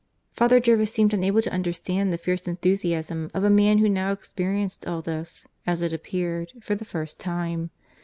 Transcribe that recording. Father Jervis seemed unable to understand the fierce enthusiasm of a man who now experienced all this, as it appeared, for the first time.